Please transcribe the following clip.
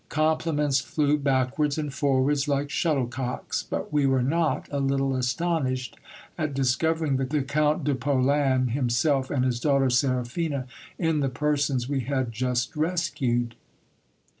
Compliments flew backwards and forwards like shuttlecocks ; but we were not a little astonished at discovering the Count de Polan himself and his daughter Seraphina, in the persons we had just rescued.